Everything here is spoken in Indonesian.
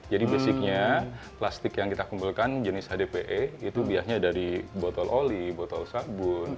jadi basicnya plastik yang kita kumpulkan jenis hdpe itu biasanya dari botol oli botol sabun